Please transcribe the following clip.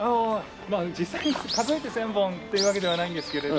実際に数えて千本というわけではないんですけれど。